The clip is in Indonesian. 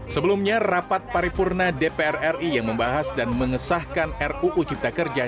sebelumnya rapat paripurna dpr ri yang membahas dan mengesahkan ruu cipta kerja